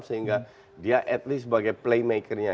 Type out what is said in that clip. sehingga dia at least sebagai playmaker nya